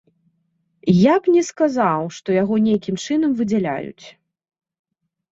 Я б не сказаў, што яго нейкім чынам выдзяляюць.